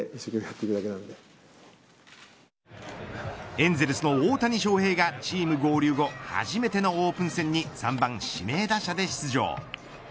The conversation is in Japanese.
エンゼルスの大谷翔平がチーム合流後初めてのオープン戦に３番指名打者で出場。